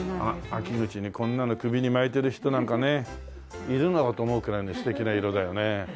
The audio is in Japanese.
秋口にこんなの首に巻いてる人なんかねいるのかと思うくらいに素敵な色だよね。